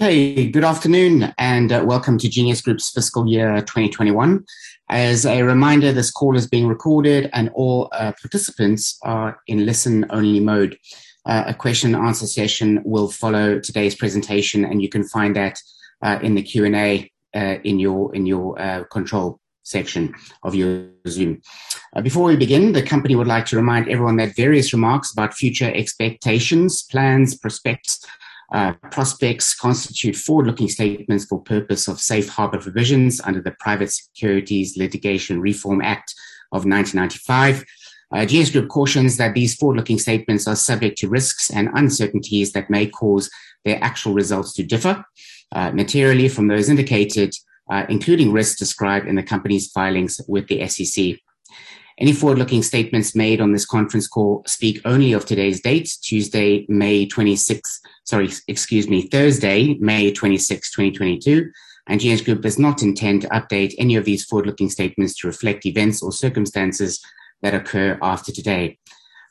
Hey, good afternoon, welcome to Genius Group's fiscal year 2021. As a reminder, this call is being recorded and all participants are in listen-only mode. A question and answer session will follow today's presentation, and you can find that in the Q&A in your control section of your Zoom. Before we begin, the company would like to remind everyone that various remarks about future expectations, plans, prospects constitute forward-looking statements for purpose of safe harbor provisions under the Private Securities Litigation Reform Act of 1995. Genius Group cautions that these forward-looking statements are subject to risks and uncertainties that may cause their actual results to differ materially from those indicated, including risks described in the company's filings with the SEC. Any forward-looking statements made on this conference call speak only of today's date, Thursday, May 26th, 2022, and Genius Group does not intend to update any of these forward-looking statements to reflect events or circumstances that occur after today.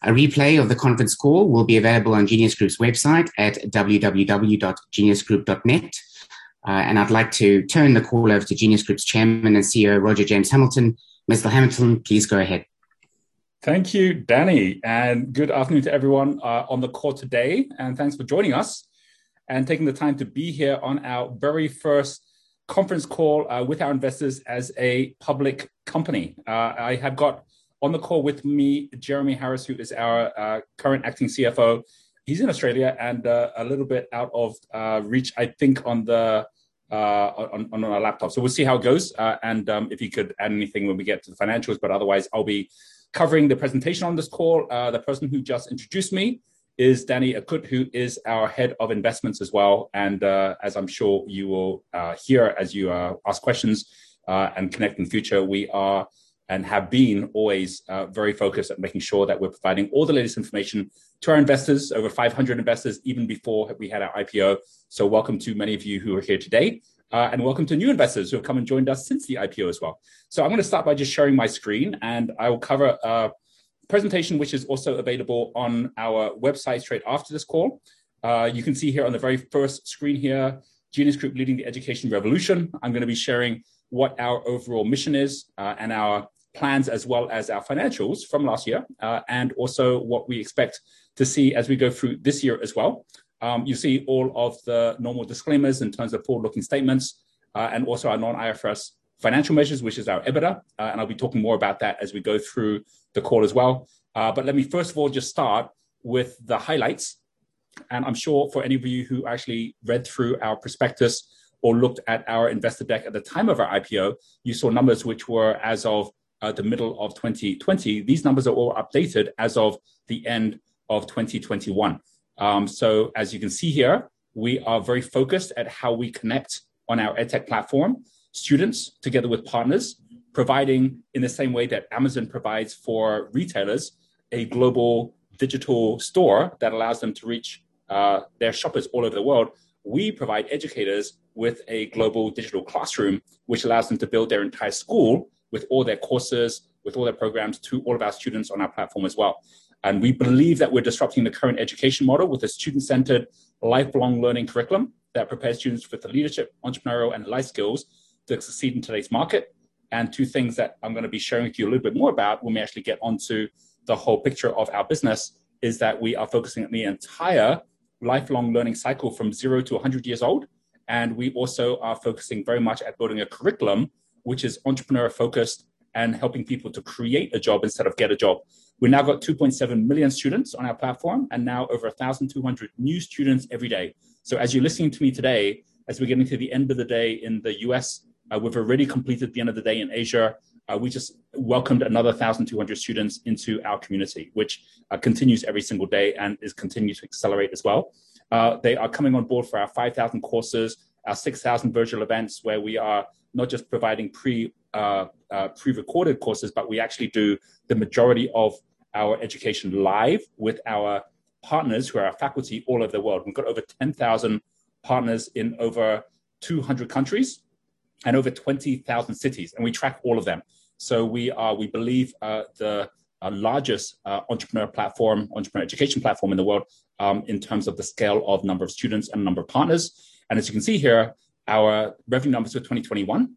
A replay of the conference call will be available on Genius Group's website at www.geniusgroup.net. I'd like to turn the call over to Genius Group's Chairman and CEO, Roger James Hamilton. Mr. Hamilton, please go ahead. Thank you, Danny, and good afternoon to everyone on the call today, and thanks for joining us and taking the time to be here on our very first conference call with our investors as a public company. I have got on the call with me Jeremy Harris, who is our current Acting CFO. He's in Australia, and a little bit out of reach, I think, on our laptop. We'll see how it goes. If he could add anything when we get to the financials, but otherwise I'll be covering the presentation on this call. The person who just introduced me is Danny Acut, who is our Head of Investments as well, and as I'm sure you will hear as you ask questions and connect in future, we are and have been always very focused at making sure that we're providing all the latest information to our investors, over 500 investors even before we had our IPO. Welcome to many of you who are here today, and welcome to new investors who have come and joined us since the IPO as well. I'm gonna start by just sharing my screen, and I will cover a presentation which is also available on our website straight after this call. You can see here on the very first screen here, Genius Group leading the education revolution. I'm gonna be sharing what our overall mission is, and our plans as well as our financials from last year, and also what we expect to see as we go through this year as well. You see all of the normal disclaimers in terms of forward-looking statements, and also our non-IFRS financial measures, which is our EBITDA, and I'll be talking more about that as we go through the call as well. Let me first of all just start with the highlights, and I'm sure for any of you who actually read through our prospectus or looked at our investor deck at the time of our IPO, you saw numbers which were as of, the middle of 2020. These numbers are all updated as of the end of 2021. So as you can see here, we are very focused at how we connect on our EdTech platform. Students, together with partners, providing, in the same way that Amazon provides for retailers, a global digital store that allows them to reach their shoppers all over the world. We provide educators with a global digital classroom, which allows them to build their entire school with all their courses, with all their programs, to all of our students on our platform as well. We believe that we're disrupting the current education model with a student-centered lifelong learning curriculum that prepares students with the leadership, entrepreneurial, and life skills to succeed in today's market. Two things that I'm gonna be sharing with you a little bit more about when we actually get onto the whole picture of our business is that we are focusing on the entire lifelong learning cycle from 0-100 years old, and we also are focusing very much at building a curriculum which is entrepreneur-focused and helping people to create a job instead of get a job. We've now got 2.7 million students on our platform, and now over 1,200 new students every day. As you're listening to me today, as we're getting to the end of the day in the U.S., we've already completed the end of the day in Asia. We just welcomed another 1,200 students into our community, which continues every single day and is continuing to accelerate as well. They are coming on board for our 5,000 courses, our 6,000 virtual events where we are not just providing pre-recorded courses, but we actually do the majority of our education live with our partners who are our faculty all over the world. We've got over 10,000 partners in over 200 countries and over 20,000 cities, and we track all of them. We believe the largest entrepreneur platform, entrepreneur education platform in the world, in terms of the scale of number of students and number of partners. As you can see here, our revenue numbers for 2021,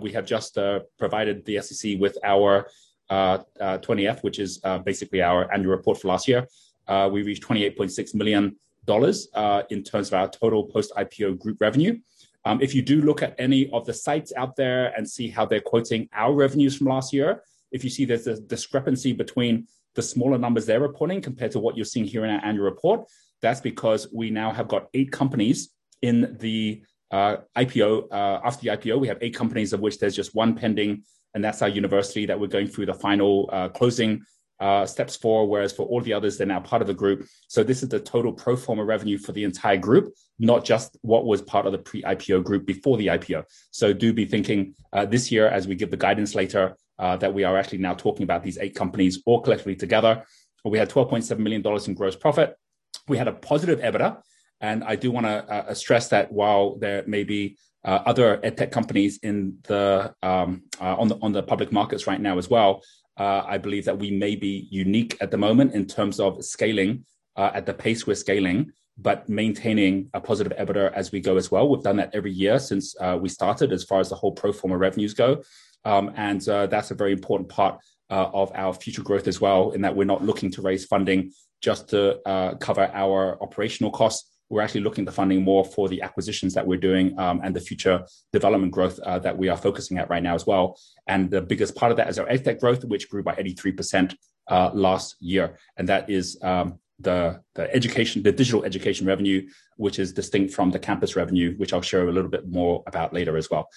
we have just provided the SEC with our 20-F, which is basically our annual report for last year. We reached $28.6 million in terms of our total post-IPO group revenue. If you do look at any of the sites out there and see how they're quoting our revenues from last year, if you see there's a discrepancy between the smaller numbers they're reporting compared to what you're seeing here in our annual report, that's because we now have got eight companies in the IPO. After the IPO, we have eight companies, of which there's just one pending, and that's our university that we're going through the final closing steps for, whereas for all the others, they're now part of the group. This is the total pro forma revenue for the entire group, not just what was part of the pre-IPO group before the IPO. Do be thinking this year as we give the guidance later that we are actually now talking about these eight companies all collectively together. We had $12.7 million in gross profit. We had a positive EBITDA, and I do wanna stress that while there may be other EdTech companies in the on the public markets right now as well, I believe that we may be unique at the moment in terms of scaling at the pace we're scaling. Maintaining a positive EBITDA as we go as well. We've done that every year since we started as far as the whole pro forma revenues go. That's a very important part of our future growth as well, in that we're not looking to raise funding just to cover our operational costs. We're actually looking for more funding for the acquisitions that we're doing, and the future development growth that we are focusing on right now as well. The biggest part of that is our EdTech growth, which grew by 83% last year. That is the digital education revenue, which is distinct from the campus revenue, which I'll share a little bit more about later as well.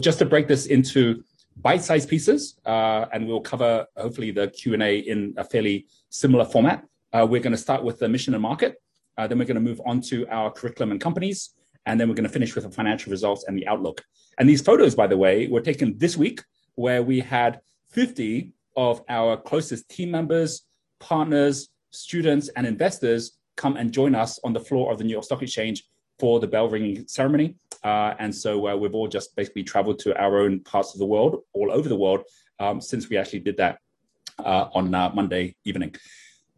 Just to break this into bite-sized pieces, and we'll cover hopefully the Q&A in a fairly similar format. We're gonna start with the mission and market, then we're gonna move on to our curriculum and companies, and then we're gonna finish with the financial results and the outlook. These photos, by the way, were taken this week, where we had 50 of our closest team members, partners, students, and investors come and join us on the floor of the New York Stock Exchange for the bell-ringing ceremony. We've all just basically traveled to our own parts of the world, all over the world, since we actually did that on Monday evening.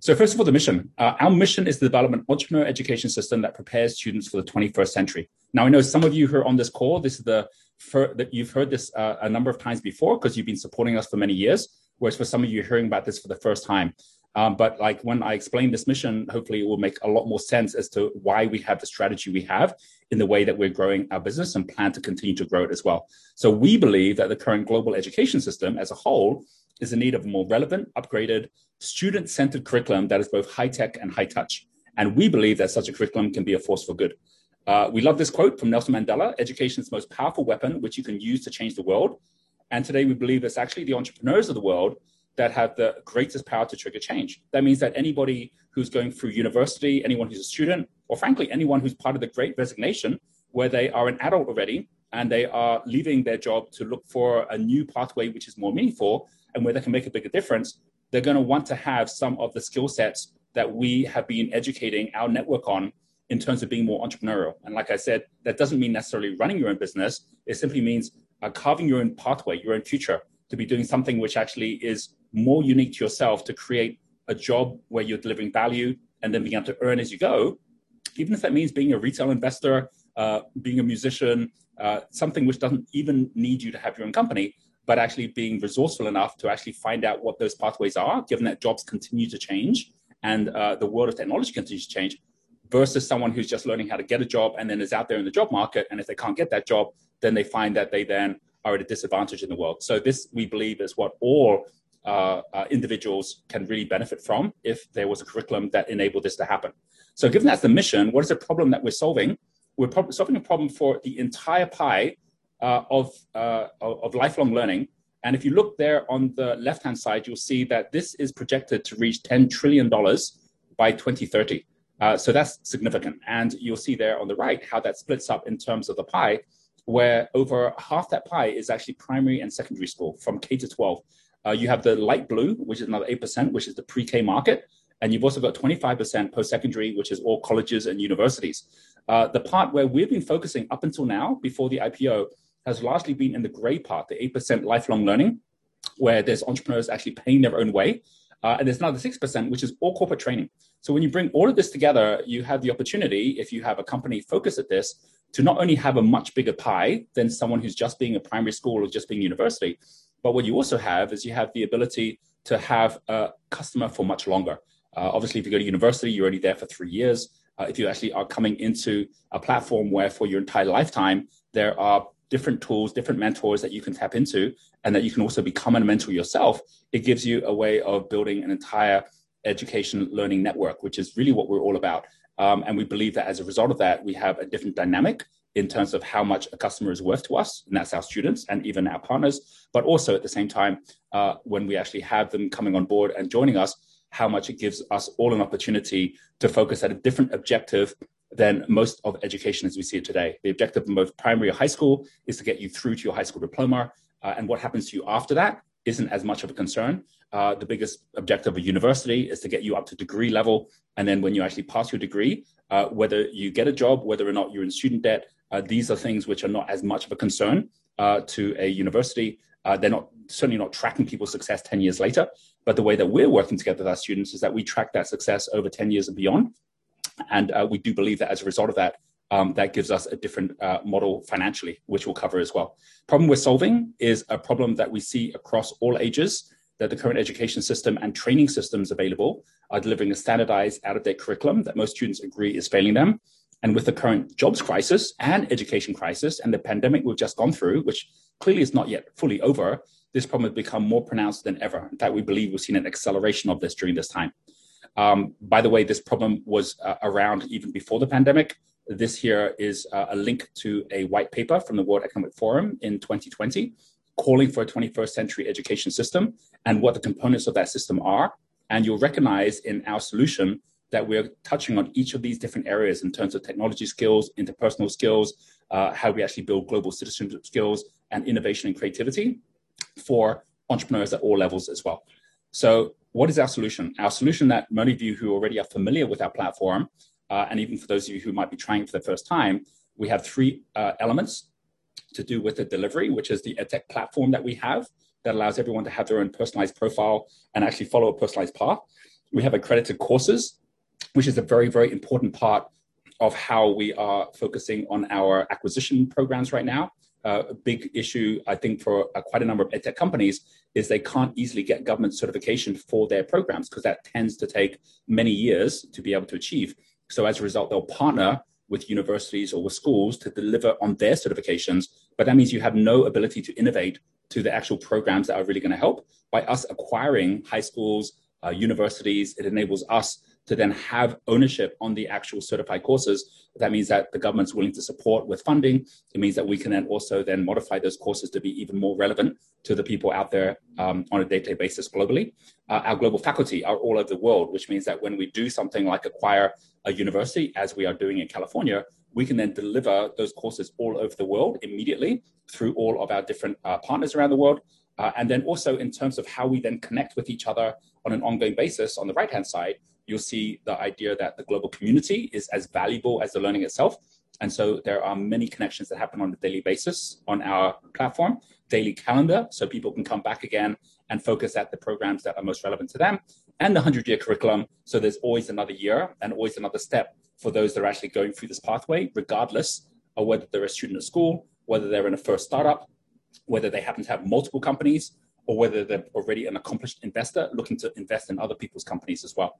First of all, the mission. Our mission is to develop an entrepreneur education system that prepares students for the 21st century. Now, I know some of you who are on this call, that you've heard this a number of times before 'cause you've been supporting us for many years, whereas for some of you hearing about this for the first time. Like, when I explain this mission, hopefully it will make a lot more sense as to why we have the strategy we have in the way that we're growing our business and plan to continue to grow it as well. We believe that the current global education system as a whole is in need of a more relevant, upgraded, student-centered curriculum that is both high tech and high touch. We believe that such a curriculum can be a force for good. We love this quote from Nelson Mandela, "Education is the most powerful weapon which you can use to change the world." Today, we believe it's actually the entrepreneurs of the world that have the greatest power to trigger change. That means that anybody who's going through university, anyone who's a student, or frankly, anyone who's part of the Great Resignation, where they are an adult already and they are leaving their job to look for a new pathway which is more meaningful and where they can make a bigger difference, they're gonna want to have some of the skill sets that we have been educating our network on in terms of being more entrepreneurial. Like I said, that doesn't mean necessarily running your own business. It simply means carving your own pathway, your own future, to be doing something which actually is more unique to yourself, to create a job where you're delivering value and then begin to earn as you go, even if that means being a retail investor, being a musician, something which doesn't even need you to have your own company, but actually being resourceful enough to actually find out what those pathways are, given that jobs continue to change and the world of technology continues to change, versus someone who's just learning how to get a job and then is out there in the job market, and if they can't get that job, then they find that they then are at a disadvantage in the world. This, we believe, is what all individuals can really benefit from if there was a curriculum that enabled this to happen. Given that's the mission, what is the problem that we're solving? We're solving a problem for the entire pie of lifelong learning. If you look there on the left-hand side, you'll see that this is projected to reach $10 trillion by 2030. That's significant. You'll see there on the right how that splits up in terms of the pie, where over half that pie is actually primary and secondary school, from K-12. You have the light blue, which is another 8%, which is the pre-K market. You've also got 25% post-secondary, which is all colleges and universities. The part where we've been focusing up until now, before the IPO, has largely been in the gray part, the 8% lifelong learning, where there's entrepreneurs actually paying their own way. There's another 6%, which is all corporate training. When you bring all of this together, you have the opportunity, if you have a company focused at this, to not only have a much bigger pie than someone who's just being a primary school or just being a university, but what you also have is you have the ability to have a customer for much longer. Obviously, if you go to university, you're only there for three years. If you actually are coming into a platform where for your entire lifetime, there are different tools, different mentors that you can tap into and that you can also become a mentor yourself, it gives you a way of building an entire education learning network, which is really what we're all about. We believe that as a result of that, we have a different dynamic in terms of how much a customer is worth to us, and that's our students and even our partners. At the same time, when we actually have them coming on board and joining us, how much it gives us all an opportunity to focus at a different objective than most of education as we see it today. The objective in both primary or high school is to get you through to your high school diploma, and what happens to you after that isn't as much of a concern. The biggest objective of university is to get you up to degree level, and then when you actually pass your degree, whether you get a job, whether or not you're in student debt, these are things which are not as much of a concern to a university. They're certainly not tracking people's success 10 years later. The way that we're working together with our students is that we track that success over 10 years and beyond. We do believe that as a result of that gives us a different model financially, which we'll cover as well. Problem we're solving is a problem that we see across all ages, that the current education system and training systems available are delivering a standardized, out-of-date curriculum that most students agree is failing them. With the current jobs crisis and education crisis and the pandemic we've just gone through, which clearly is not yet fully over, this problem has become more pronounced than ever, in fact we believe we've seen an acceleration of this during this time. By the way, this problem was around even before the pandemic. This here is a link to a white paper from the World Economic Forum in 2020 calling for a 21st century education system, and what the components of that system are. You'll recognize in our solution that we're touching on each of these different areas in terms of technology skills, interpersonal skills, how we actually build global citizenship skills, and innovation and creativity for entrepreneurs at all levels as well. What is our solution? Our solution that many of you who already are familiar with our platform, and even for those of you who might be trying for the first time, we have three elements to do with the delivery, which is the EdTech platform that we have that allows everyone to have their own personalized profile and actually follow a personalized path. We have accredited courses, which is a very, very important part of how we are focusing on our acquisition programs right now. A big issue, I think, for quite a number of EdTech companies is they can't easily get government certification for their programs 'cause that tends to take many years to be able to achieve. As a result, they'll partner with universities or with schools to deliver on their certifications, but that means you have no ability to innovate to the actual programs that are really gonna help. By us acquiring high schools, universities, it enables us to then have ownership on the actual certified courses. That means that the government's willing to support with funding. It means that we can then also modify those courses to be even more relevant to the people out there, on a day-to-day basis globally. Our global faculty are all over the world, which means that when we do something like acquire a university, as we are doing in California, we can then deliver those courses all over the world immediately through all of our different partners around the world. In terms of how we then connect with each other on an ongoing basis, on the right-hand side you'll see the idea that the global community is as valuable as the learning itself. There are many connections that happen on a daily basis on our platform. Daily calendar, so people can come back again and focus at the programs that are most relevant to them, and the 100-year curriculum so there's always another year and always another step for those that are actually going through this pathway, regardless of whether they're a student in school, whether they're in a first startup, whether they happen to have multiple companies, or whether they're already an accomplished investor looking to invest in other people's companies as well.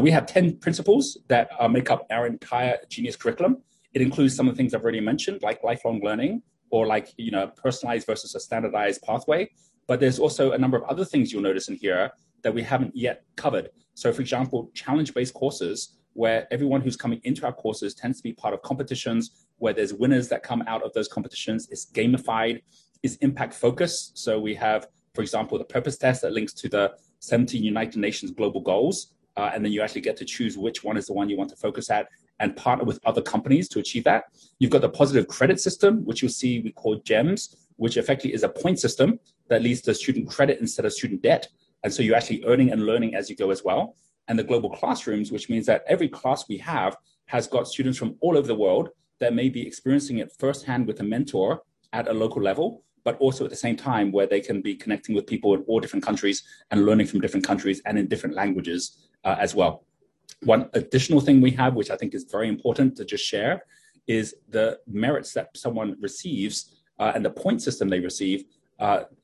We have 10 principles that make up our entire Genius curriculum. It includes some of the things I've already mentioned, like lifelong learning or like, you know, personalized versus a standardized pathway, but there's also a number of other things you'll notice in here that we haven't yet covered. For example, challenge-based courses where everyone who's coming into our courses tends to be part of competitions, where there's winners that come out of those competitions. It's gamified. It's impact-focused, so we have, for example, the Purpose Test that links to the 70 United Nations global goals. You actually get to choose which one is the one you want to focus at and partner with other companies to achieve that. You've got the positive credit system, which you'll see we call GEMs, which effectively is a point system that leads to student credit instead of student debt, and so you're actually earning and learning as you go as well. The global classrooms, which means that every class we have has got students from all over the world that may be experiencing it firsthand with a mentor at a local level, but also at the same time where they can be connecting with people in all different countries and learning from different countries and in different languages, as well. One additional thing we have, which I think is very important to just share, is the merits that someone receives, and the point system they receive,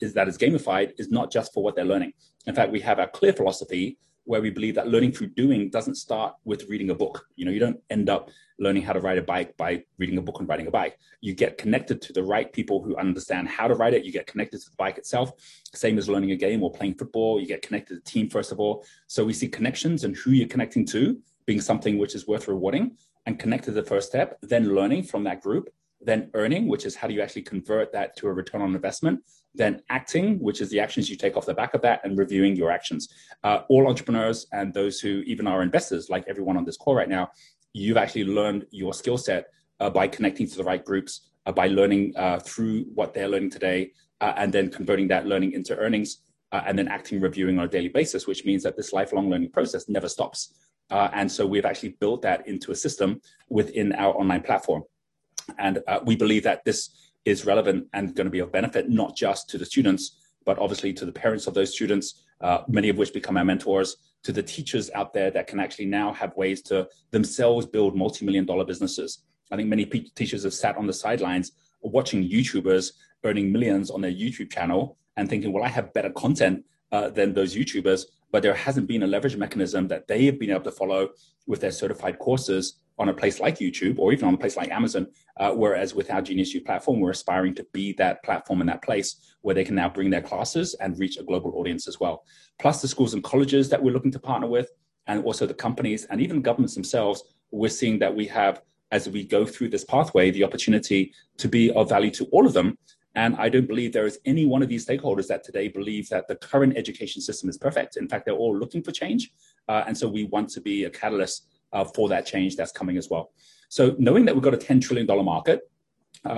is that it's gamified, is not just for what they're learning. In fact, we have a clear philosophy where we believe that learning through doing doesn't start with reading a book. You know, you don't end up learning how to ride a bike by reading a book on riding a bike. You get connected to the right people who understand how to ride it. You get connected to the bike itself. Same as learning a game or playing football, you get connected to the team first of all. We see connections and who you're connecting to being something which is worth rewarding and connect to the first step, then learning from that group, then earning, which is how do you actually convert that to a return on investment, then acting, which is the actions you take off the back of that, and reviewing your actions. All entrepreneurs and those who even are investors, like everyone on this call right now, you've actually learned your skill set by connecting to the right groups, by learning through what they're learning today, and then converting that learning into earnings, and then acting, reviewing on a daily basis, which means that this lifelong learning process never stops. We've actually built that into a system within our online platform. We believe that this is relevant and gonna be of benefit not just to the students, but obviously to the parents of those students, many of which become our mentors, to the teachers out there that can actually now have ways to themselves build multimillion-dollar businesses. I think many teachers have sat on the sidelines watching YouTubers earning millions on their YouTube channel and thinking, "Well, I have better content than those YouTubers," but there hasn't been a leverage mechanism that they have been able to follow with their certified courses on a place like YouTube or even on a place like Amazon. Whereas with our GeniusU platform, we're aspiring to be that platform, and that place where they can now bring their classes and reach a global audience as well. Plus the schools and colleges that we're looking to partner with and also the companies and even governments themselves, we're seeing that we have, as we go through this pathway, the opportunity to be of value to all of them. I don't believe there is any one of these stakeholders that today believe that the current education system is perfect. In fact, they're all looking for change, and so we want to be a catalyst for that change that's coming as well. Knowing that we've got a $10 trillion market,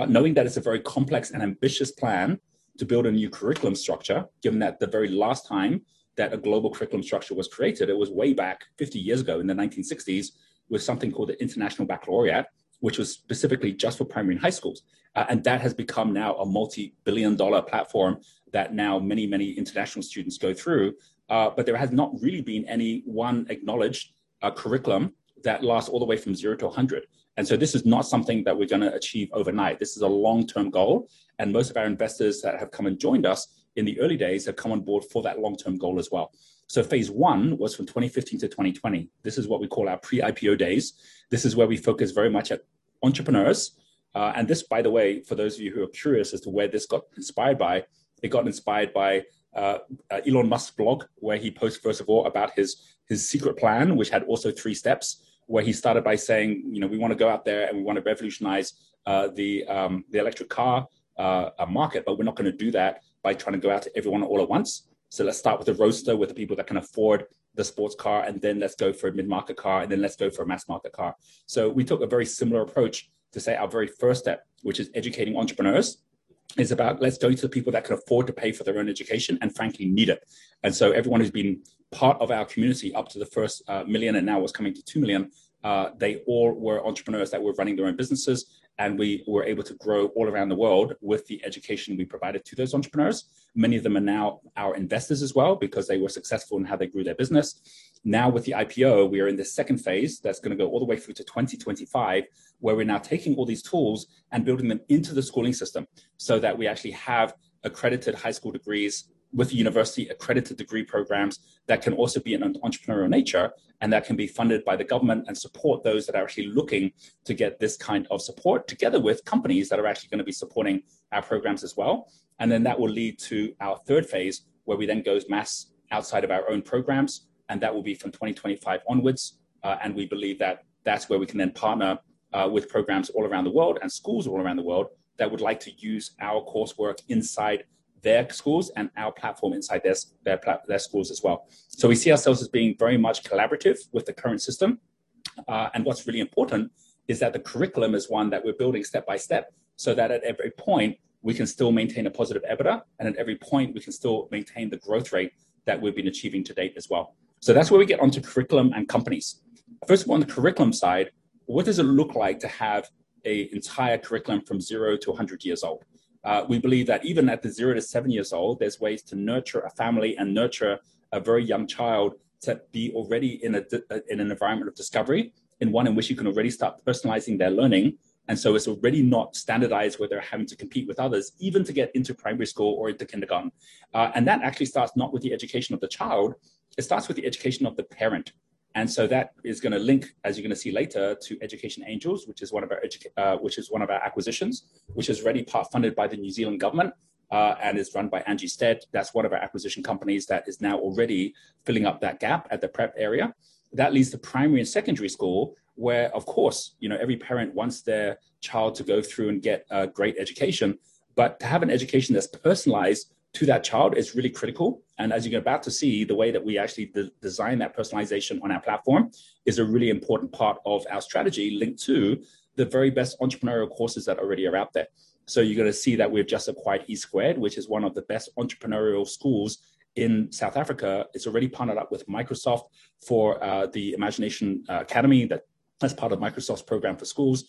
knowing that it's a very complex and ambitious plan to build a new curriculum structure, given that the very last time that a global curriculum structure was created, it was way back 50 years ago in the 1960s with something called the International Baccalaureate, which was specifically just for primary and high schools. That has become now a multi-billion dollar platform that now many, many international students go through. But there has not really been any one acknowledged curriculum that lasts all the way from 0-100. This is not something that we're gonna achieve overnight. This is a long-term goal, and most of our investors that have come and joined us in the early days have come on board for that long-term goal as well. Phase one was from 2015-2020. This is what we call our pre-IPO days. This is where we focus very much at entrepreneurs. And this, by the way, for those of you who are curious as to where this got inspired by, it got inspired by Elon Musk's blog where he posts first of all about his secret plan which had also three steps. Where he started by saying, you know, "We wanna go out there, and we wanna revolutionize the electric car market, but we're not gonna do that by trying to go out to everyone all at once. So let's start with the Roadster with the people that can afford the sports car, and then let's go for a mid-market car, and then let's go for a mass-market car." We took a very similar approach to say our very first step, which is educating entrepreneurs. It's about let's go to the people that can afford to pay for their own education and frankly need it. Everyone who's been part of our community up to the first million and now what's coming to 2 million, they all were entrepreneurs that were running their own businesses, and we were able to grow all around the world with the education we provided to those entrepreneurs. Many of them are now our investors as well because they were successful in how they grew their business. Now with the IPO, we are in the second phase that's gonna go all the way through to 2025, where we're now taking all these tools and building them into the schooling system so that we actually have accredited high school degrees with university-accredited degree programs that can also be in an entrepreneurial nature, and that can be funded by the government and support those that are actually looking to get this kind of support together with companies that are actually gonna be supporting our programs as well. Then that will lead to our third phase, where we then go mass outside of our own programs, and that will be from 2025 onwards. We believe that that's where we can then partner with programs all around the world and schools all around the world that would like to use our coursework inside their schools and our platform inside their schools as well. We see ourselves as being very much collaborative with the current system. What's really important is that the curriculum is one that we're building step by step, so that at every point we can still maintain a positive EBITDA, and at every point we can still maintain the growth rate that we've been achieving to date as well. That's where we get onto curriculum and companies. First of all, on the curriculum side, what does it look like to have an entire curriculum from 0-100 years old? We believe that even at the 0-7 years old, there's ways to nurture a family and nurture a very young child to be already in an environment of discovery, in one in which you can already start personalizing their learning. It's already not standardized where they're having to compete with others even to get into primary school or the kindergarten. That actually starts not with the education of the child, it starts with the education of the parent. That is gonna link, as you're gonna see later, to Education Angels, which is one of our acquisitions, which is already part funded by the New Zealand government, and is run by Angie Stead. That's one of our acquisition companies that is now already filling up that gap at the prep area. That leads to primary and secondary school, where, of course, you know, every parent wants their child to go through and get a great education, but to have an education that's personalized to that child is really critical. As you're about to see, the way that we actually de-design that personalization on our platform is a really important part of our strategy linked to the very best entrepreneurial courses that already are out there. You're gonna see that we've just acquired E-Squared, which is one of the best entrepreneurial schools in South Africa. It's already partnered up with Microsoft for the Imagination Academy that, as part of Microsoft's program for schools,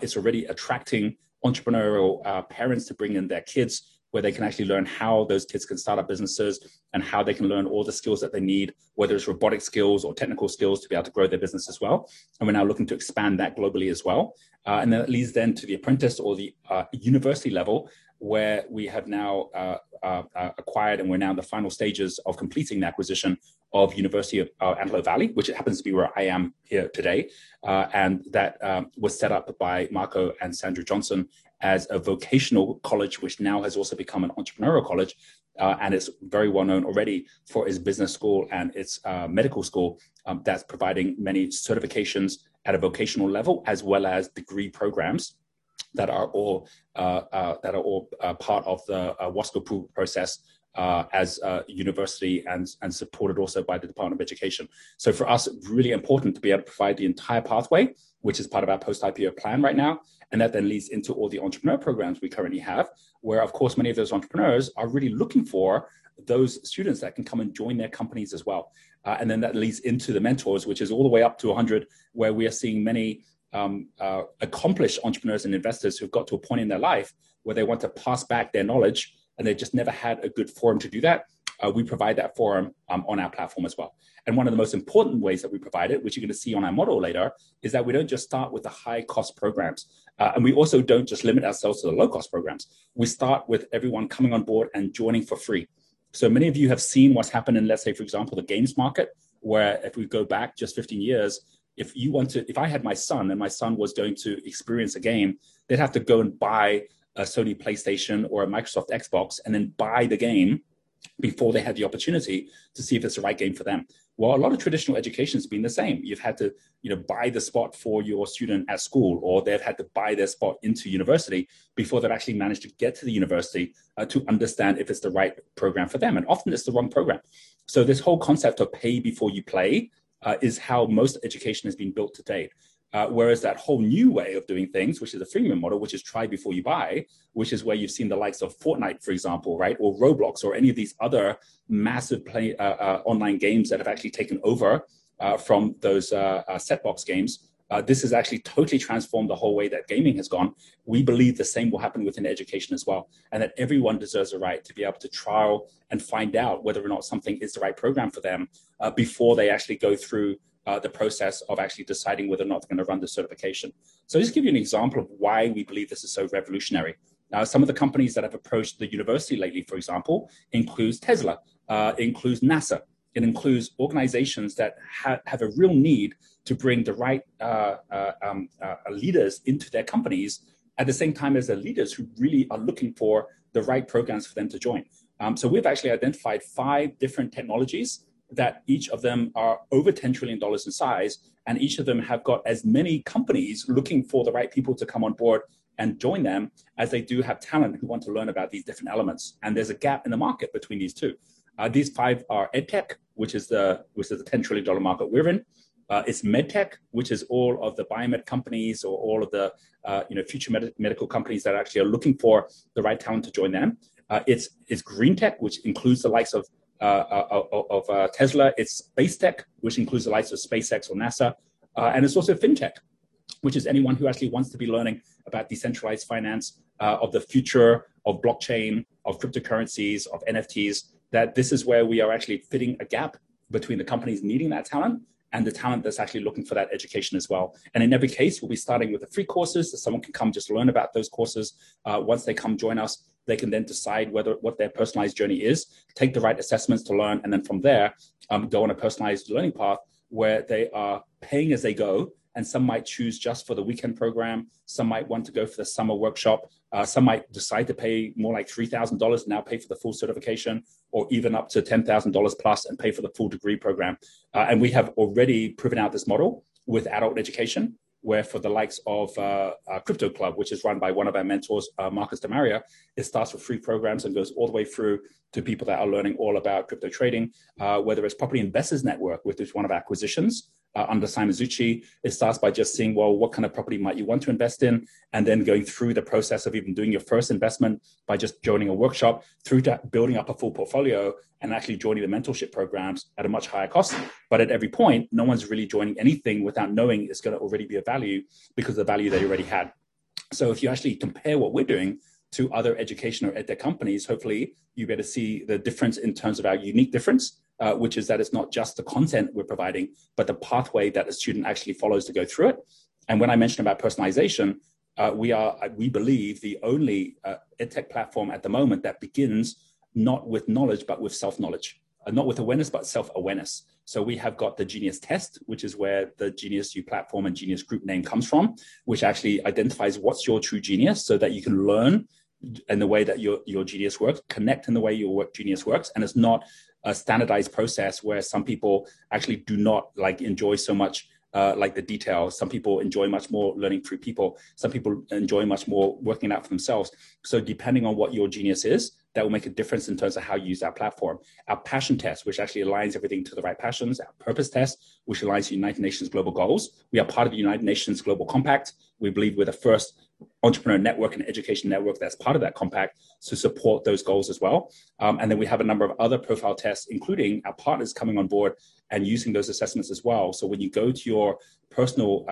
is already attracting entrepreneurial parents to bring in their kids, where they can actually learn how those kids can start up businesses, and how they can learn all the skills that they need, whether it's robotic skills or technical skills, to be able to grow their business as well. We're now looking to expand that globally as well. It leads to the apprentice or the university level, where we have now acquired and we're now in the final stages of completing the acquisition of University of Antelope Valley, which happens to be where I am here today. That was set up by Marco and Sandra Johnson as a vocational college, which now has also become an entrepreneurial college. It's very well known already for its business school and its medical school, that's providing many certifications at a vocational level as well as degree programs that are all part of the WASC approval process as a university and supported also by the Department of Education. For us, really important to be able to provide the entire pathway, which is part of our post-IPO plan right now. That then leads into all the entrepreneur programs we currently have, where, of course, many of those entrepreneurs are really looking for those students that can come and join their companies as well. That leads into the mentors, which is all the way up to 100, where we are seeing many accomplished entrepreneurs and investors who've got to a point in their life where they want to pass back their knowledge, and they've just never had a good forum to do that. We provide that forum on our platform as well. One of the most important ways that we provide it, which you're gonna see on our model later, is that we don't just start with the high-cost programs. We also don't just limit ourselves to the low-cost programs. We start with everyone coming on board and joining for free. Many of you have seen what's happened in, let's say, for example, the games market, where if we go back just 15 years, if I had my son and my son was going to experience a game, they'd have to go and buy a Sony PlayStation or a Microsoft Xbox and then buy the game before they had the opportunity to see if it's the right game for them. Well, a lot of traditional education's been the same. You've had to, you know, buy the spot for your student at school, or they've had to buy their spot into university before they've actually managed to get to the university, to understand if it's the right program for them, and often it's the wrong program. This whole concept of pay before you play is how most education has been built to date. Whereas that whole new way of doing things, which is a freemium model, which is try before you buy, which is where you've seen the likes of Fortnite, for example, right? Or Roblox or any of these other massive play online games that have actually taken over from those set-box games. This has actually totally transformed the whole way that gaming has gone. We believe the same will happen within education as well, and that everyone deserves a right to be able to trial and find out whether or not something is the right program for them before they actually go through the process of actually deciding whether or not they're gonna run the certification. Just to give you an example of why we believe this is so revolutionary. Now, some of the companies that have approached the university lately, for example, includes Tesla, NASA. It includes organizations that have a real need to bring the right leaders into their companies at the same time as the leaders who really are looking for the right programs for them to join. We've actually identified five different technologies that each of them are over $10 trillion in size, and each of them have got as many companies looking for the right people to come on board, and join them as they do have talent who want to learn about these different elements. There's a gap in the market between these two. These five are EdTech, which is the $10 trillion market we're in. It's MedTech, which is all of the biomed companies or all of the, you know, future medical companies that actually are looking for the right talent to join them. It's GreenTech, which includes the likes of Tesla. It's SpaceTech, which includes the likes of SpaceX or NASA. It's also Fintech, which is anyone who actually wants to be learning about decentralized finance, of the future of blockchain, of cryptocurrencies, of NFTs, that this is where we are actually fitting a gap between the companies needing that talent, and the talent that's actually looking for that education as well. In every case, we'll be starting with the free courses, so someone can come just to learn about those courses. Once they come join us, they can then decide what their personalized journey is, take the right assessments to learn, and then from there, go on a personalized learning path where they are paying as they go. Some might choose just for the weekend program, some might want to go for the summer workshop, some might decide to pay more like $3,000 now, pay for the full certification, or even up to $10,000+ and pay for the full degree program. We have already proven out this model with adult education, where for the likes of our Crypto Club, which is run by one of our mentors, Marcus de Maria, it starts with free programs and goes all the way through to people that are learning all about crypto trading. Whether it's Property Investors network, which is one of our acquisitions, under Simon Zutshi, it starts by just seeing, well, what kind of property might you want to invest in? Then going through the process of even doing your first investment by just joining a workshop, through to building up a full portfolio, and actually joining the mentorship programs at a much higher cost. At every point, no one's really joining anything without knowing it's gonna already be a value because of the value they already had. If you actually compare what we're doing to other education or EdTech companies, hopefully you better see the difference in terms of our unique difference, which is that it's not just the content we're providing, but the pathway that a student actually follows to go through it. When I mention about personalization, we are, we believe the only EdTech platform at the moment that begins not with knowledge, but with self-knowledge. Not with awareness, but self-awareness. We have got the Genius Test, which is where the GeniusU platform and Genius Group name comes from, which actually identifies what's your true genius, so that you can learn in the way that your genius works, connect in the way your genius works. It's not a standardized process where some people actually do not enjoy so much like the detail. Some people enjoy much more learning through people. Some people enjoy much more working it out for themselves. Depending on what your genius is, that will make a difference in terms of how you use our platform. Our Passion Test, which actually aligns everything to the right passions. Our Purpose Test, which aligns to United Nations global goals. We are part of the United Nations Global Compact. We believe we're the first entrepreneur network and education network that's part of that compact to support those goals as well. We have a number of other profile tests, including our partners coming on board and using those assessments as well. When you go to your personal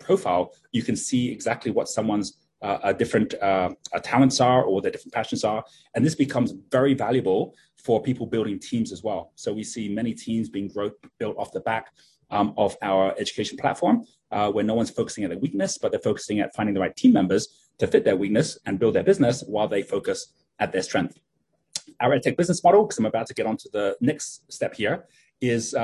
profile, you can see exactly what someone's different talents are or their different passions are. This becomes very valuable for people building teams as well. We see many teams being built off the back of our education platform, where no one's focusing on their weakness, but they're focusing at finding the right team members to fit their weakness and build their business while they focus at their strength. Our EdTech business model, 'cause I'm about to get onto the next step here is,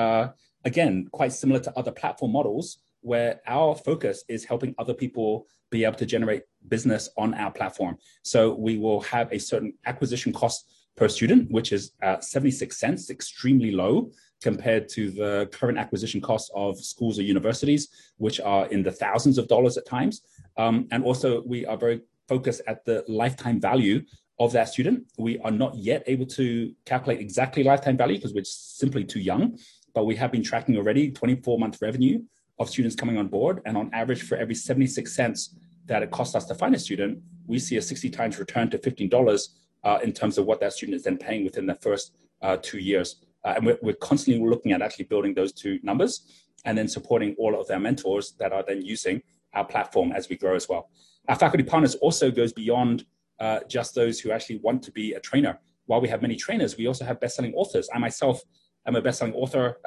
again, quite similar to other platform models, where our focus is helping other people be able to generate business on our platform. We will have a certain acquisition cost per student, which is $0.76, extremely low compared to the current acquisition costs of schools or universities, which are in the thousands of dollars at times. Also we are very focused at the lifetime value of that student. We are not yet able to calculate exactly lifetime value 'cause we're just simply too young. We have been tracking already 24-month revenue of students coming on board. On average, for every $0.76 that it costs us to find a student, we see a 60x return to $15, in terms of what that student is then paying within the first, two years. We're constantly looking at actually building those two numbers, and then supporting all of our mentors that are then using our platform as we grow as well. Our faculty partners also goes beyond, just those who actually want to be a trainer. While we have many trainers, we also have best-selling authors. I myself am a best-selling author.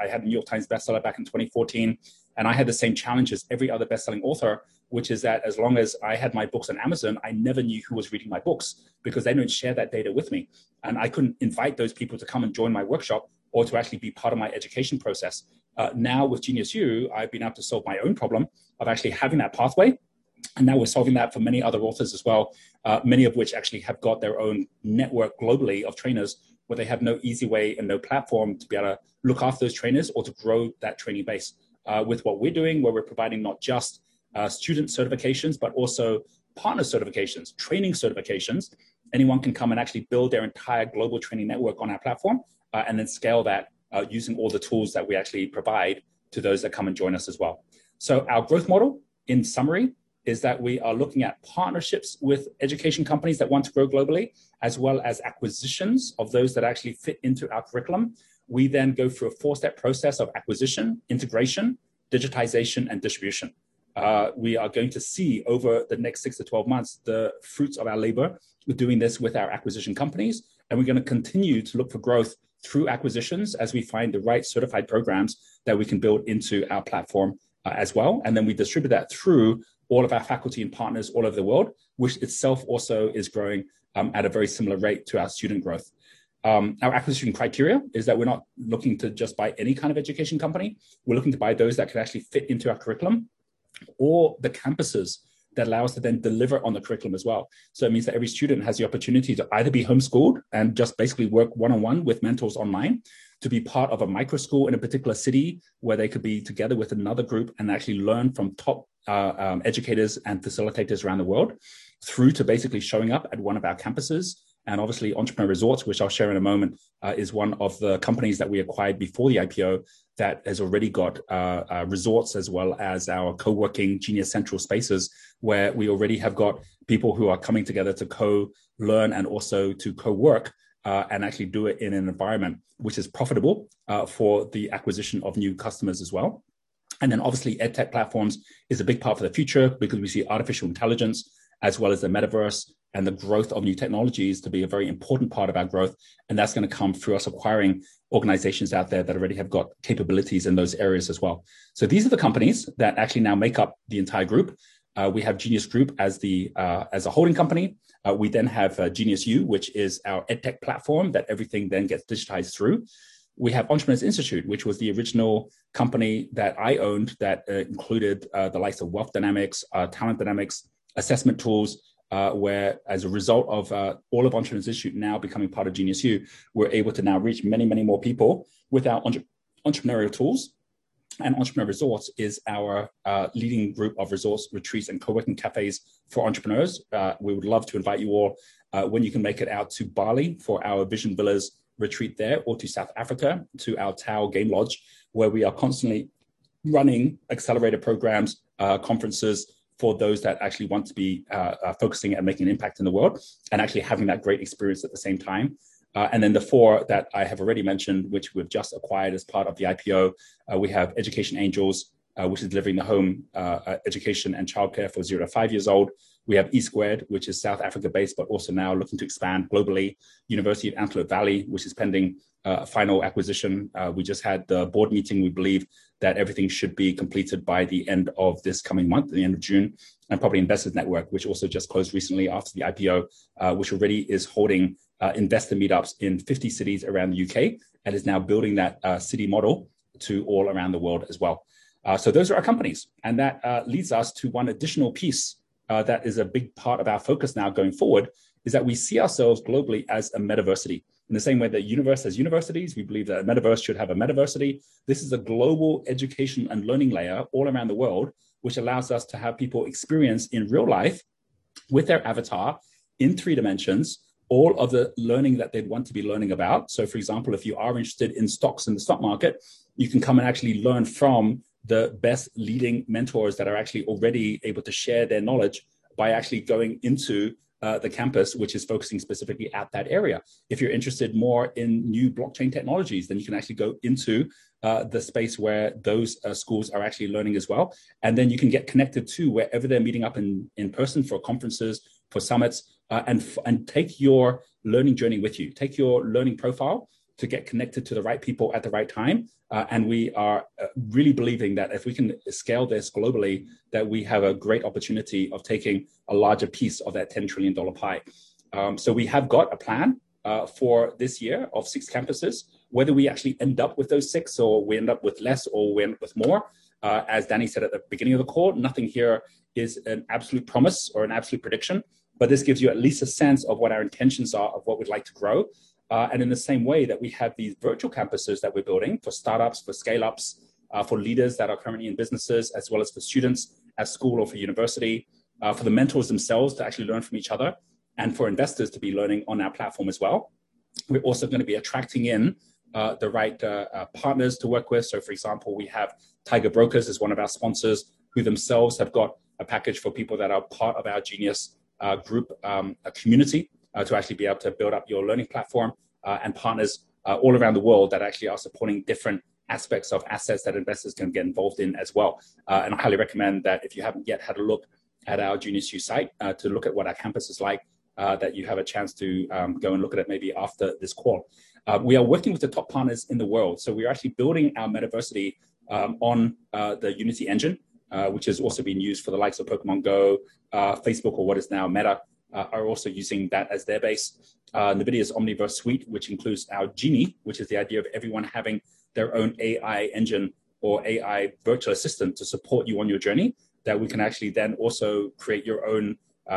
I had a New York Times bestseller back in 2014, and I had the same challenge as every other best-selling author, which is that as long as I had my books on Amazon, I never knew who was reading my books because they don't share that data with me, and I couldn't invite those people to come and join my workshop or to actually be part of my education process. Now with GeniusU, I've been able to solve my own problem of actually having that pathway, and now we're solving that for many other authors as well, many of which actually have got their own network globally of trainers, where they have no easy way and no platform to be able to look after those trainers or to grow that training base. With what we're doing, where we're providing not just student certifications, but also partner certifications, training certifications, anyone can come and actually build their entire global training network on our platform, and then scale that, using all the tools that we actually provide to those that come and join us as well. Our growth model, in summary, is that we are looking at partnerships with education companies that want to grow globally, as well as acquisitions of those that actually fit into our curriculum. We then go through a four-step process of acquisition, integration, digitization, and distribution. We are going to see over the next 6-12 months the fruits of our labor with doing this with our acquisition companies, and we're gonna continue to look for growth through acquisitions as we find the right certified programs that we can build into our platform, as well. We distribute that through all of our faculty and partners all over the world, which itself also is growing, at a very similar rate to our student growth. Our acquisition criteria is that we're not looking to just buy any kind of education company. We're looking to buy those that can actually fit into our curriculum or the campuses that allow us to then deliver on the curriculum as well. It means that every student has the opportunity to either be homeschooled and just basically work one-on-one with mentors online, to be part of a micro school in a particular city where they could be together with another group and actually learn from top educators and facilitators around the world, through to basically showing up at one of our campuses. Obviously Entrepreneur Resorts, which I'll share in a moment, is one of the companies that we acquired before the IPO that has already got resorts as well as our co-working Genius Central spaces, where we already have got people who are coming together to co-learn and also to co-work, and actually do it in an environment which is profitable for the acquisition of new customers as well. Obviously EdTech platforms is a big part for the future because we see artificial intelligence as well as the metaverse and the growth of new technologies to be a very important part of our growth, and that's gonna come through us acquiring organizations out there that already have got capabilities in those areas as well. These are the companies that actually now make up the entire group. We have Genius Group as the as a holding company. We then have GeniusU, which is our EdTech platform that everything then gets digitized through. We have Entrepreneurs Institute, which was the original company that I owned that included the likes of Wealth Dynamics, Talent Dynamics assessment tools, where as a result of all of Entrepreneurs Institute now becoming part of GeniusU, we're able to now reach many, many more people with our entrepreneurial tools. Entrepreneur Resorts is our leading group of resorts, retreats, and co-working cafes for entrepreneurs. We would love to invite you all, when you can make it out to Bali for our Vision Villa retreat there or to South Africa to our Tau Game Lodge, where we are constantly running accelerator programs, conferences for those that actually want to be focusing and making an impact in the world and actually having that great experience at the same time. Then the four that I have already mentioned, which we've just acquired as part of the IPO, we have Education Angels, which is delivering home education and childcare for 0-5 years old. We have E-Squared, which is South Africa-based but also now looking to expand globally. University of Antelope Valley, which is pending final acquisition. We just had the board meeting. We believe that everything should be completed by the end of this coming month, the end of June. Property Investors Network, which also just closed recently after the IPO, which already is holding investor meetups in 50 cities around the U.K. and is now building that city model to all around the world as well. Those are our companies, and that leads us to one additional piece, that is a big part of our focus now going forward, is that we see ourselves globally as a metaversity. In the same way that a universe has universities, we believe that a metaverse should have a metaversity. This is a global education and learning layer all around the world, which allows us to have people experience in real life with their avatar in three dimensions all of the learning that they'd want to be learning about. For example, if you are interested in stocks and the stock market, you can come and actually learn from the best leading mentors that are actually already able to share their knowledge by actually going into the campus which is focusing specifically at that area. If you're interested more in new blockchain technologies, then you can actually go into the space where those schools are actually learning as well. You can get connected to wherever they're meeting up in person for conferences, for summits, and take your learning journey with you. Take your learning profile to get connected to the right people at the right time. We are really believing that if we can scale this globally, that we have a great opportunity of taking a larger piece of that $10 trillion pie. We have got a plan for this year of six campuses. Whether we actually end up with those six or we end up with less or we end up with more, as Danny said at the beginning of the call, nothing here is an absolute promise or an absolute prediction. This gives you at least a sense of what our intentions are of what we'd like to grow. In the same way that we have these virtual campuses that we're building for startups, for scale-ups, for leaders that are currently in businesses, as well as for students at school or for university, for the mentors themselves to actually learn from each other and for investors to be learning on our platform as well. We're also gonna be attracting in the right partners to work with. So for example, we have Tiger Brokers as one of our sponsors, who themselves have got a package for people that are part of our Genius Group community to actually be able to build up your learning platform. Partners all around the world that actually are supporting different aspects of assets that investors can get involved in as well. I highly recommend that if you haven't yet had a look at our GeniusU site, to look at what our campus is like, that you have a chance to, go and look at it maybe after this call. We are working with the top partners in the world, so we are actually building our metaversity, on, the Unity engine, which has also been used for the likes of Pokémon Go. Facebook, or what is now Meta, are also using that as their base. NVIDIA's Omniverse suite, which includes our Genie, which is the idea of everyone having their own AI engine or AI virtual assistant to support you on your journey, that we can actually then also create your own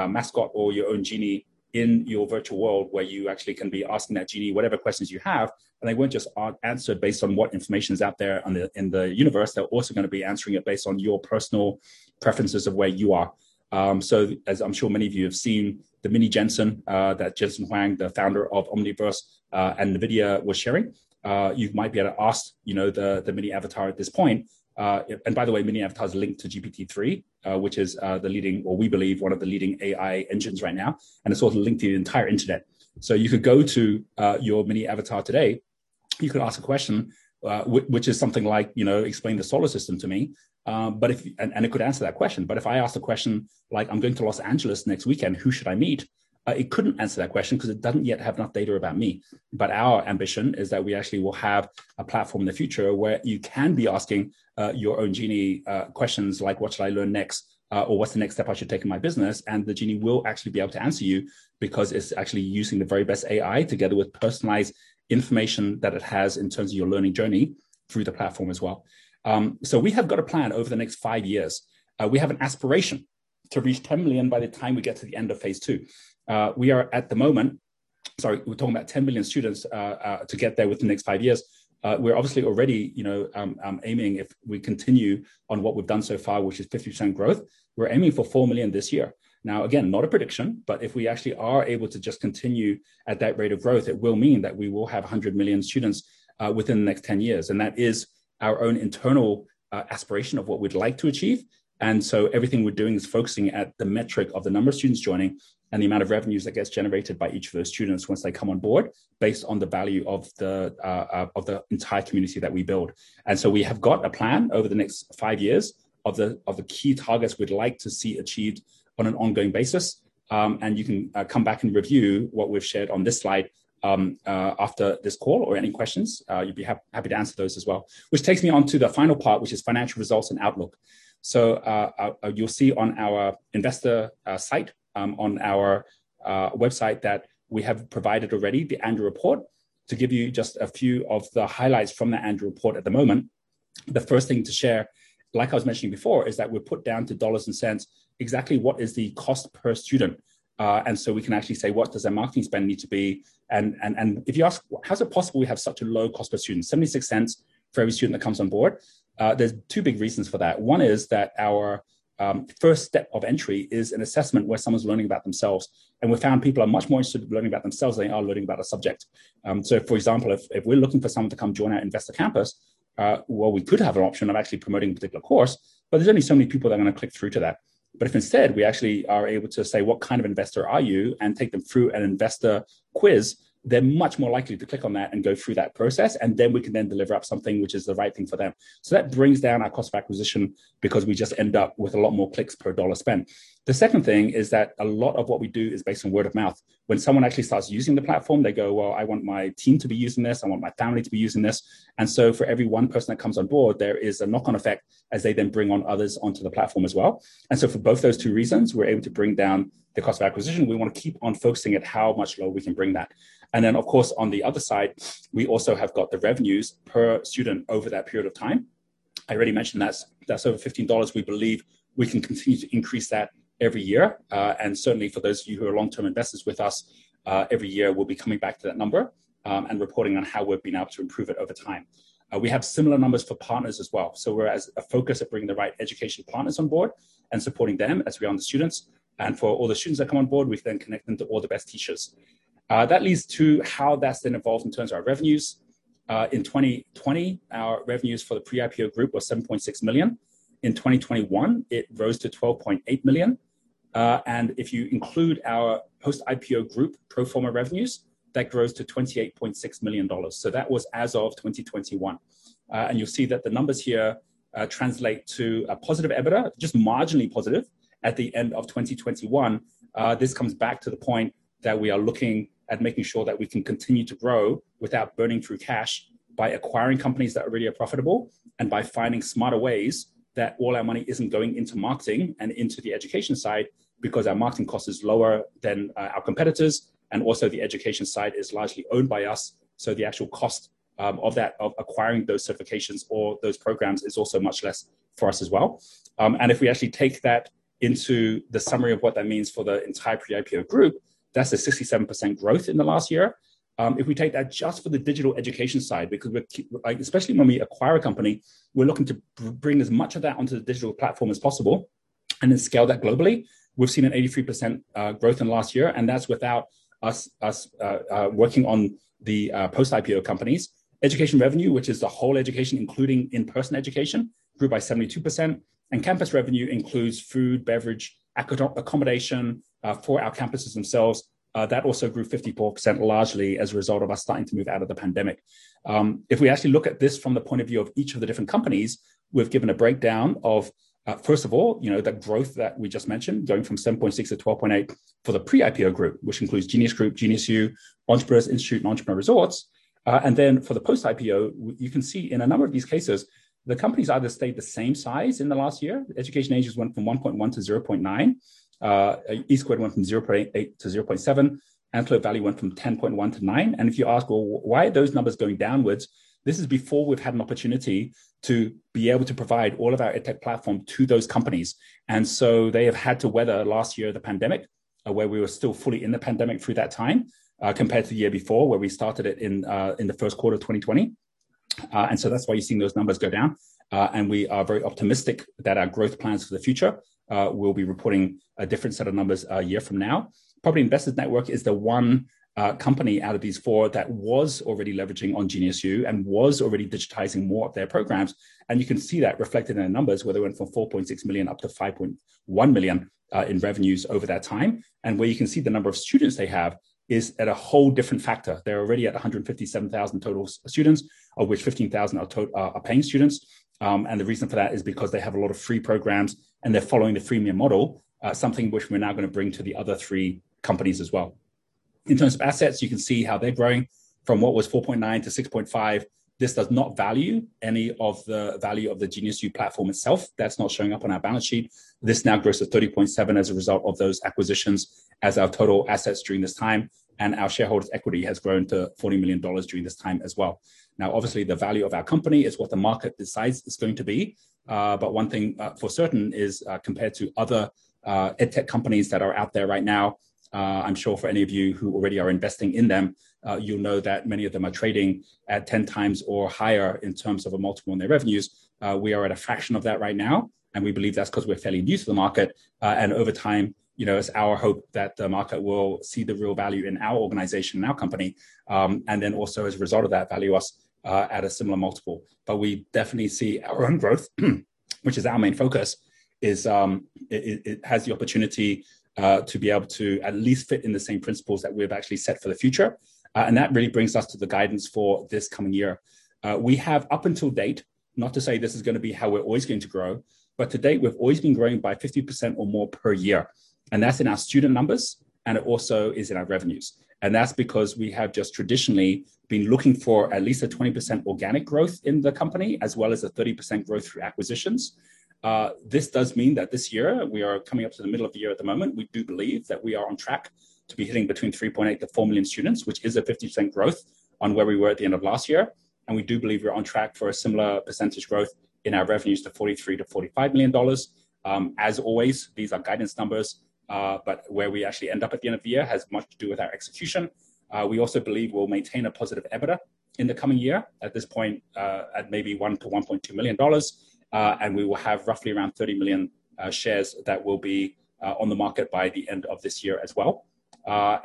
mascot or your own Genie in your virtual world where you actually can be asking that Genie whatever questions you have, and they won't just answer based on what information is out there in the universe. They're also gonna be answering it based on your personal preferences of where you are. As I'm sure many of you have seen the Mini Jensen that Jensen Huang, the founder of Omniverse and NVIDIA was sharing, you might be able to ask you know the Mini avatar at this point. By the way, Mini avatar is linked to GPT-3, which is the leading or we believe one of the leading AI engines right now, and it's also linked to the entire internet. You could go to your Mini avatar today, you could ask a question, which is something like, you know, "Explain the solar system to me." But if and it could answer that question. But if I asked a question like, "I'm going to Los Angeles next weekend, who should I meet?" It couldn't answer that question 'cause it doesn't yet have enough data about me. Our ambition is that we actually will have a platform in the future where you can be asking your own Genie questions like, "What should I learn next?" or "What's the next step I should take in my business?" The Genie will actually be able to answer you because it's actually using the very best AI together with personalized information that it has in terms of your learning journey through the platform as well. We have got a plan over the next five years. We have an aspiration to reach 10 million by the time we get to the end of phase two. Sorry, we're talking about 10 million students to get there within the next five years. We're obviously already, you know, aiming if we continue on what we've done so far, which is 50% growth. We're aiming for 4 million this year. Now, again, not a prediction, but if we actually are able to just continue at that rate of growth, it will mean that we will have 100 million students within the next 10 years. That is our own internal aspiration of what we'd like to achieve. Everything we're doing is focusing at the metric of the number of students joining, and the amount of revenues that gets generated by each of those students once they come on board based on the value of the entire community that we build. We have got a plan over the next five years of the key targets we'd like to see achieved on an ongoing basis. You can come back and review what we've shared on this slide after this call or any questions. You'd be happy to answer those as well. Which takes me on to the final part, which is financial results and outlook. You'll see on our investor site on our website that we have provided already the annual report. To give you just a few of the highlights from the annual report at the moment, the first thing to share, like I was mentioning before, is that we put down to dollars and cents exactly what is the cost per student. We can actually say what does our marketing spend need to be. If you ask, "How is it possible we have such a low cost per student, $0.76 for every student that comes on board?" There's two big reasons for that. One is that our first step of entry is an assessment where someone's learning about themselves, and we found people are much more interested in learning about themselves than they are learning about a subject. For example, if we're looking for someone to come join our Investor Campus, while we could have an option of actually promoting a particular course, but there's only so many people that are gonna click through to that. If instead, we actually are able to say, "What kind of investor are you?" And take them through an investor quiz, they're much more likely to click on that and go through that process, and then we can then deliver up something which is the right thing for them. That brings down our cost of acquisition because we just end up with a lot more clicks per dollar spent. The second thing is that a lot of what we do is based on word of mouth. When someone actually starts using the platform, they go, "Well, I want my team to be using this. I want my family to be using this." For every one person that comes on board, there is a knock-on effect as they then bring on others onto the platform as well. For both those two reasons, we're able to bring down the cost of acquisition. We wanna keep on focusing on how much lower we can bring that. Of course, on the other side, we also have got the revenues per student over that period of time. I already mentioned that's over $15. We believe we can continue to increase that every year. Certainly for those of you who are long-term investors with us, every year we'll be coming back to that number, and reporting on how we've been able to improve it over time. We have similar numbers for partners as well. We're as focused on bringing the right education partners on board and supporting them as we are the students. For all the students that come on board, we then connect them to all the best teachers. That leads to how that's then evolved in terms of our revenues. In 2020, our revenues for the pre-IPO group were $7.6 million. In 2021, it rose to $12.8 million. If you include our post-IPO group pro forma revenues, that grows to $28.6 million. That was as of 2021. You'll see that the numbers here translate to a positive EBITDA, just marginally positive at the end of 2021. This comes back to the point that we are looking at making sure that we can continue to grow without burning through cash by acquiring companies that already are profitable, and by finding smarter ways that all our money isn't going into marketing and into the education side because our marketing cost is lower than our competitors, and also the education side is largely owned by us. So the actual cost of that, of acquiring those certifications or those programs is also much less for us as well. If we actually take that into the summary of what that means for the entire pre-IPO group, that's a 67% growth in the last year. If we take that just for the digital education side, because we're like, especially when we acquire a company, we're looking to bring as much of that onto the digital platform as possible and then scale that globally. We've seen an 83% growth in last year, and that's without us working on the post-IPO companies. Education revenue, which is the whole education, including in-person education, grew by 72%. Campus revenue includes food, beverage, accommodation for our campuses themselves. That also grew 54%, largely as a result of us starting to move out of the pandemic. If we actually look at this from the point of view of each of the different companies, we've given a breakdown of, first of all, you know, the growth that we just mentioned, going from $7.6-$12.8 for the pre-IPO group, which includes Genius Group, GeniusU, Entrepreneurs Institute, and Entrepreneur Resorts. You can see in a number of these cases, the companies either stayed the same size in the last year. Education Angels went from $1.1-$0.9. E-Squared went from $0.-$0.7. Antelope Valley went from $10.1-$9. If you ask, "Well, why are those numbers going downwards?" This is before we've had an opportunity to be able to provide all of our EdTech platform to those companies. They have had to weather last year, the pandemic, where we were still fully in the pandemic through that time, compared to the year before, where we started it in the first quarter of 2020. That's why you're seeing those numbers go down. We are very optimistic that our growth plans for the future, we'll be reporting a different set of numbers a year from now. Property Investors Network is the one company out of these four that was already leveraging on GeniusU and was already digitizing more of their programs. You can see that reflected in the numbers, where they went from $4.6 million up to $5.1 million in revenues over that time. Where you can see the number of students they have is at a whole different factor. They're already at 157,000 total students, of which 15,000 are paying students. The reason for that is because they have a lot of free programs, and they're following the freemium model, something which we're now gonna bring to the other three companies as well. In terms of assets, you can see how they're growing from what was $4.9-$6.5. This does not value any of the value of the GeniusU platform itself. That's not showing up on our balance sheet. This now grows to $30.7 as a result of those acquisitions as our total assets during this time, and our shareholders' equity has grown to $40 million during this time as well. Now, obviously, the value of our company is what the market decides it's going to be. One thing for certain is, compared to other EdTech companies that are out there right now, I'm sure for any of you who already are investing in them, you'll know that many of them are trading at 10x or higher in terms of a multiple on their revenues. We are at a fraction of that right now, and we believe that's 'cause we're fairly new to the market. Over time, you know, it's our hope that the market will see the real value in our organization and our company, and then also as a result of that, value us at a similar multiple. We definitely see our own growth, which is our main focus, it has the opportunity to be able to at least fit in the same principles that we've actually set for the future. That really brings us to the guidance for this coming year. To date, not to say this is gonna be how we're always going to grow, but to date, we've always been growing by 50% or more per year. That's in our student numbers, and it also is in our revenues. That's because we have just traditionally been looking for at least a 20% organic growth in the company, as well as a 30% growth through acquisitions. This does mean that this year we are coming up to the middle of the year at the moment, we do believe that we are on track to be hitting between 3.8-4 million students, which is a 50% growth on where we were at the end of last year. We do believe we're on track for a similar percentage growth in our revenues to $43 million-$45 million. As always, these are guidance numbers, but where we actually end up at the end of the year has much to do with our execution. We also believe we'll maintain a positive EBITDA in the coming year at this point, at maybe $1 million-$1.2 million. We will have roughly around 30 million shares that will be on the market by the end of this year as well. Our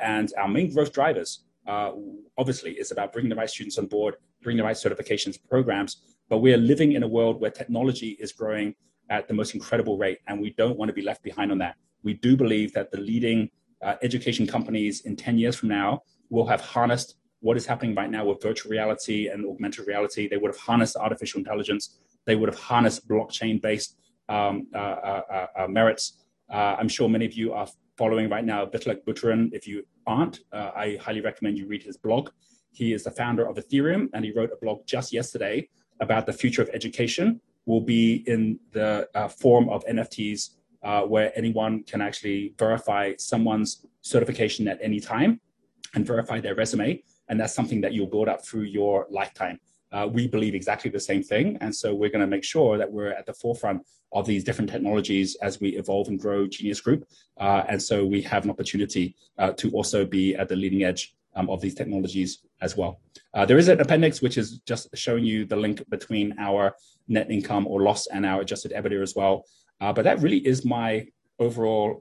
main growth drivers obviously is about bringing the right students on board, bringing the right certifications programs. We're living in a world where technology is growing at the most incredible rate, and we don't wanna be left behind on that. We do believe that the leading education companies in 10 years from now will have harnessed what is happening right now with virtual reality and augmented reality. They would have harnessed artificial intelligence. They would have harnessed blockchain-based merits. I'm sure many of you are following right now Vitalik Buterin. If you aren't, I highly recommend you read his blog. He is the founder of Ethereum, and he wrote a blog just yesterday about the future of education will be in the form of NFTs, where anyone can actually verify someone's certification at any time and verify their resume, and that's something that you'll build up through your lifetime. We believe exactly the same thing, and so we're gonna make sure that we're at the forefront of these different technologies as we evolve and grow Genius Group. We have an opportunity to also be at the leading edge of these technologies as well. There is an appendix which is just showing you the link between our net income or loss and our adjusted EBITDA as well. That really is my overall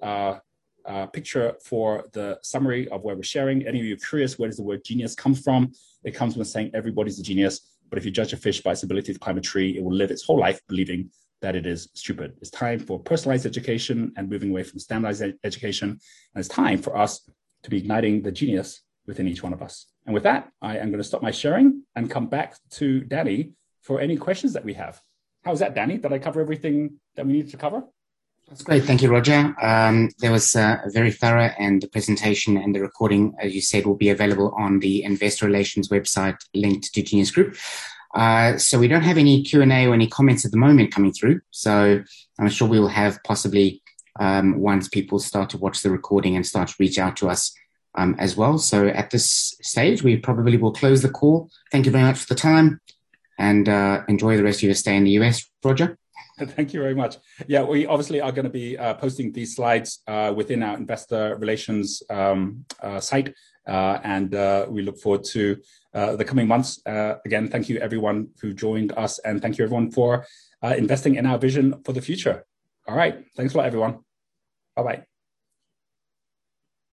picture for the summary of where we're sharing. Any of you curious where does the word genius come from? It comes from the saying, "Everybody's a genius, but if you judge a fish by its ability to climb a tree, it will live its whole life believing that it is stupid." It's time for personalized education and moving away from standardized education, and it's time for us to be igniting the genius within each one of us. With that, I am gonna stop my sharing and come back to Danny for any questions that we have. How was that, Danny? Did I cover everything that we needed to cover? That's great. Thank you, Roger. That was very thorough, and the presentation and the recording, as you said, will be available on the investor relations website linked to Genius Group. We don't have any Q&A or any comments at the moment coming through, so I'm sure we will have possibly once people start to watch the recording and start to reach out to us, as well. At this stage, we probably will close the call. Thank you very much for the time, and enjoy the rest of your stay in the U.S., Roger. Thank you very much. Yeah, we obviously are gonna be posting these slides within our investor relations site. We look forward to the coming months. Again, thank you everyone who joined us, and thank you everyone for investing in our vision for the future. All right. Thanks a lot, everyone. Bye-bye.